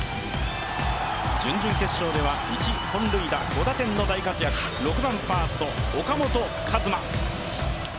準々決勝では１本塁打５打点の大活躍、６番ファースト・岡本和真。